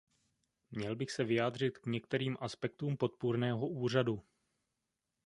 Měl bych se vyjádřit k některým aspektům podpůrného úřadu.